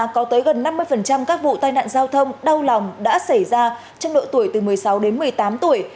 có tới gần năm mươi các vụ tai nạn giao thông đau lòng đã xảy ra trong độ tuổi từ một mươi sáu đến một mươi tám tuổi